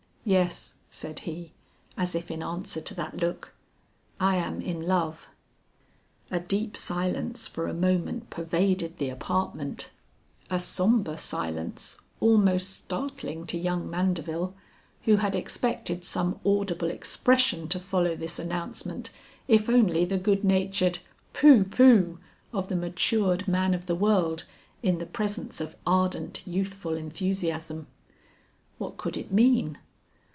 "Yes," said he, as if in answer to that look, "I am in love." A deep silence for a moment pervaded the apartment, a sombre silence almost startling to young Mandeville, who had expected some audible expression to follow this announcement if only the good natured "Pooh! pooh!" of the matured man of the world in the presence of ardent youthful enthusiasm. What could it mean?